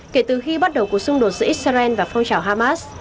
kể từ khi bắt đầu cuộc xung đột giữa israel và phong trào hamas